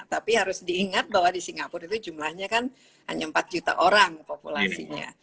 tapi harus diingat bahwa di singapura itu jumlahnya kan hanya empat juta orang populasinya